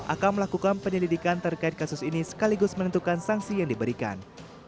akan melakukan penyelidikan terkait kasus ini sekaligus menentukan sanksi yang diberikan